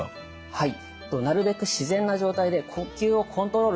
はい。